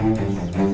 ada apaan sih